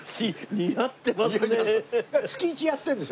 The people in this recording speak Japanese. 似合ってます？